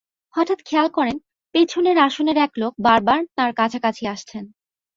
হঠাৎ খেয়াল করেন, পেছনের আসনের এক লোক বারবার তাঁর কাছাকাছি আসছেন।